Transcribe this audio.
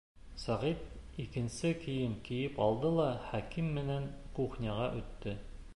Сәғит икенсе кейем кейеп алды ла Хәким менән кухняға үтте.